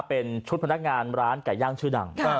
เป็นชุดพนักงานร้านไก่ย่างชื่อดัง